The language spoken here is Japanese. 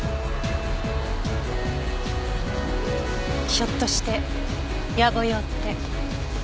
ひょっとして野暮用って。